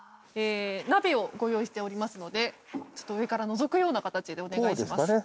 鍋をご用意しておりますのでちょっと上からのぞくような形でお願いします。